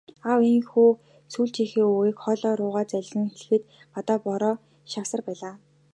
Аав ийнхүү сүүлчийнхээ үгийг хоолой руугаа залгин хэлэхэд гадаа бороо шаагьсаар байлаа.